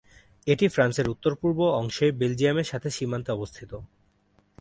এটি ফ্রান্সের উত্তর-পূর্ব অংশে বেলজিয়ামের সাথে সীমান্তে অবস্থিত।